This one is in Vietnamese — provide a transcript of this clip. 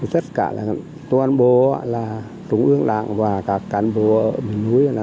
tất cả toàn bộ là trúng ương lạc và cả cán bộ núi